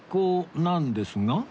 なんですが